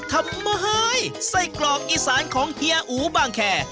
ทำไมไส้กรอกอีสานของเฮียอูบางแคร์